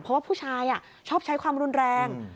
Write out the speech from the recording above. เพราะว่าผู้ชายชอบใช้ความรุนแรง